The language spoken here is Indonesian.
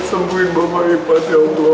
sembuhin mama ibu pak ya allah